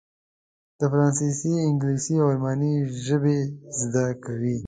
د فرانسې، انګلیسي او الماني ژبې زده کوي.